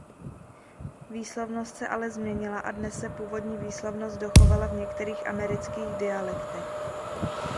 Výslovnost se ale změnila a dnes se původní výslovnost dochovala v některých amerických dialektech.